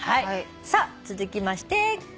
さあ続きましてこちら。